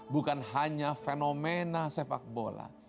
bukan hanya fenomena sepak bola